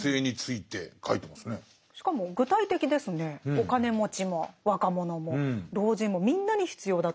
お金持ちも若者も老人もみんなに必要だと言っていますよね。